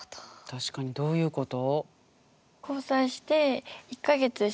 確かにどういうこと？